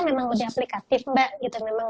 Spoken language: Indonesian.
memang lebih aplikatif mbak gitu memang